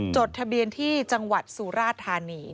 จดทะเบียนที่จังหวัดสุราธานี